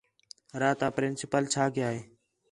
راتا پرنسپل چھا کَیا ہے